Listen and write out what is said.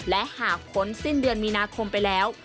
และหากพ้นสิ้นเดือนมีนาคมไปแล้ว